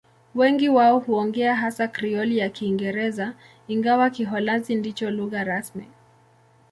Wengi wao huongea hasa Krioli ya Kiingereza, ingawa Kiholanzi ndicho lugha rasmi.